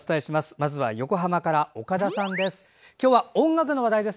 まずは横浜から、岡田さんです。